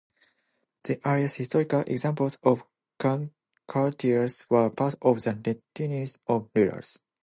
The earliest historical examples of courtiers were part of the retinues of rulers.